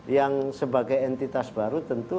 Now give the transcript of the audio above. yang sebagai entitas baru tentu